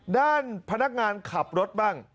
ด้านพนักงานขับรถบ้าง